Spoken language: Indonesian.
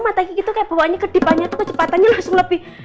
mata kiki itu kayak bawaannya kedipannya itu kecepatannya langsung lebih